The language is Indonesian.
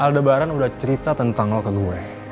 aldebaran udah cerita tentang lo ke gue